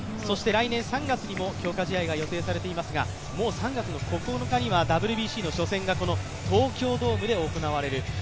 来年３月にも強化試合が予定されていますが、もう３月９日にはＷＢＣの初戦が東京ドームで行われる。